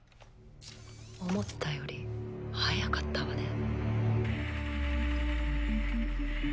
思ったより早かったわね。